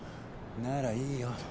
ならいいよ。